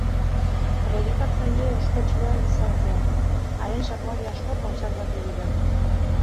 Predikatzaile ospetsua izan zen; haren sermoi asko kontserbatu dira.